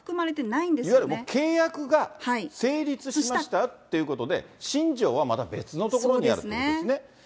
いわゆる契約が成立しましたよということで、心情はまだ別のところにあるということですね。